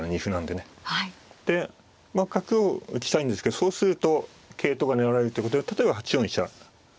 で角を打ちたいんですけどそうすると桂頭が狙われるってことで例えば８四飛車。